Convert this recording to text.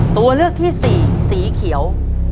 ตัวเลือกที่สี่สีเขียว